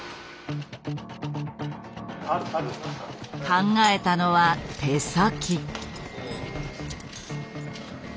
考えたのは手先。